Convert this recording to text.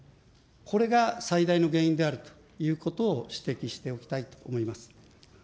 これが最大の原因であるということを指摘しておきたいと思います。